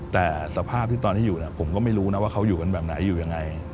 แต่สภาพที่ตอนที่อยู่ผมก็ไม่รู้นะว่าเขาอยู่กันแบบไหนอยู่ยังไง